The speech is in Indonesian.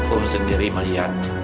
om sendiri melihat